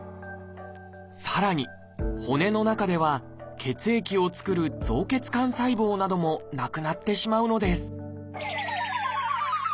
さらに骨の中では血液を造る造血幹細胞などもなくなってしまうのです